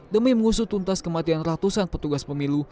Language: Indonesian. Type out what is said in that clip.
demi mengusut tuntas kematian ratusan petugas pemilu